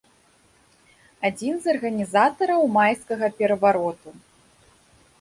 Адзін з арганізатараў майскага перавароту.